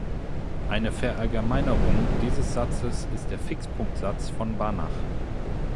Eine Verallgemeinerung dieses Satzes ist der Fixpunktsatz von Banach.